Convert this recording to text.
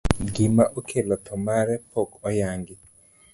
Gima okelo tho mare pok oyangi.